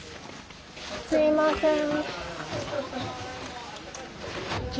すいません。